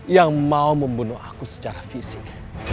yang mau membunuh aku secara fisik